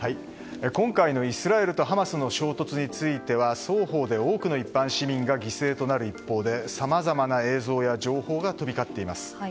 今回のイスラエルとハマスの衝突については双方で多くの一般市民が犠牲となる一方でさまざまな映像や情報が飛び交っています。